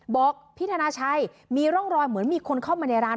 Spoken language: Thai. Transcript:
บอกพี่ธนาชัยมีร่องรอยเหมือนมีคนเข้ามาในร้าน